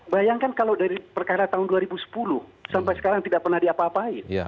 bayangkan kalau dari perkara tahun dua ribu sepuluh sampai sekarang tidak pernah diapa apain